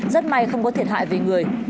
rất may không có thiệt hại về người